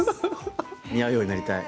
似合うようになりたい。